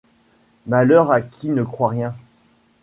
Malheur à qui ne croit rien!